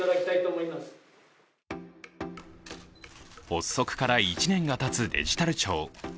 発足から１年がたつデジタル庁。